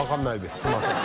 すみません。